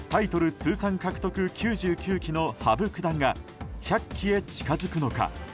通算獲得９９期の羽生九段が１００期へ近づくのか。